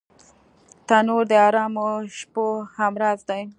تنور د ارامو شپو همراز دی